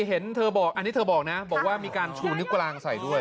เห็นเธอบอกนะบอกว่ามีการชูนิกวลากใส่ด้วย